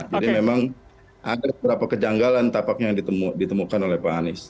jadi memang ada beberapa kejanggalan tapaknya yang ditemukan oleh pak anies